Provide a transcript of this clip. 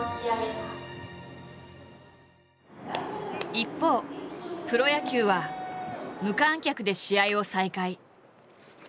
一方プロ野球は無観客で試合を再開。